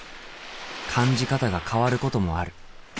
感じ方が変わることもある。